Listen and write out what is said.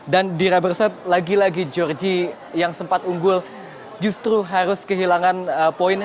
dan di rubber set lagi lagi georgia yang sempat unggul justru harus kehilangan poin